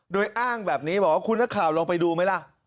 โดยอ้างแบบนี้บอกว่าคุณนักข่าวลงไปดูไหมล่ะ